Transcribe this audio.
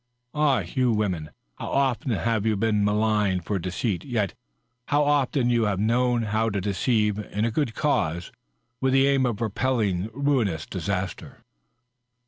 (Ah, you women I how often you nave been maligned for deceit, yet how often you have known how to deceive in a good cause — with the aim of repelling ruinous disaster!)